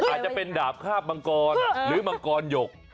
อาจจะเป็นดาบคาบมังกรหรือมังกรหยก